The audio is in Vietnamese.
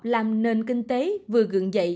làm nền kinh tế vừa gượng dậy